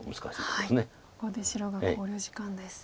ここで白が考慮時間です。